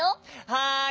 はい！